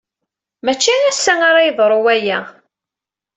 Mačči ass-a ara yeḍru waya.